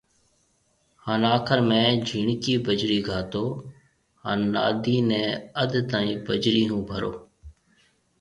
هان آخر ۾ جھيَََڻڪِي بجرِي گھاتو هان نادي نيَ اڌ تائين بجرِي هو ڀرو